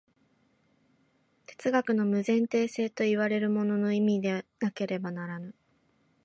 哲学の無前提性といわれるものの意味でなければならぬ。